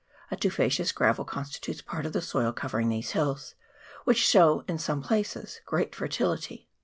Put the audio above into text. A tufaceous gravel constitutes part of the soil covering these hills, which show in some places great fertility.